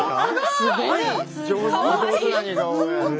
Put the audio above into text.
すごい上手な似顔絵。